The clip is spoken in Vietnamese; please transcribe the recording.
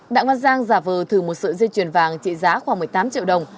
đặng văn giang giả vờ thử một sợi dây chuyền vàng trị giá khoảng một mươi tám triệu đồng